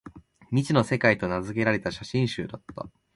「未知の世界」と名づけられた写真集だった